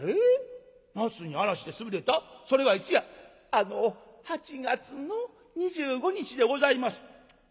「あの８月の２５日でございます」。